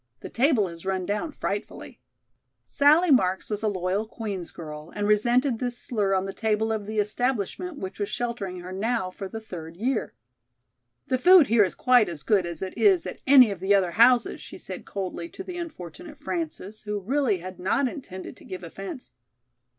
The table has run down frightfully." Sallie Marks was a loyal Queen's girl, and resented this slur on the table of the establishment which was sheltering her now for the third year. "The food here is quite as good as it is at any of the other houses," she said coldly to the unfortunate Frances, who really had not intended to give offence.